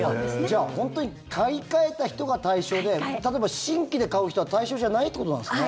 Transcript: じゃあ、本当に買い替えた人が対象で例えば、新規で買う人は対象じゃないということなんですね。